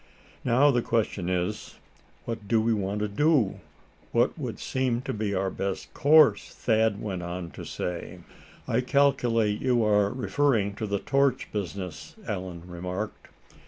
"Now, the question is, what do we want to do what would seem to be our best course?" Thad went on to say. "I calculate you are referring to the torch business?" Allan remarked.